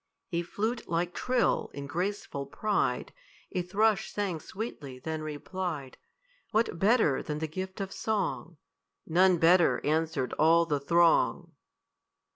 A flute like trill, in graceful pride, A thrush sang sweetly, then replied, "What better than the gift of song?" "None better," answered all the throng.